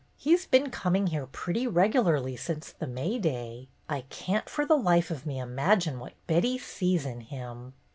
He 's been coming here pretty regularly since the May day. I can't for the life of me imagine what Betty sees in him."